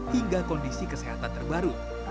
hingga kondisi kesehatan terbaru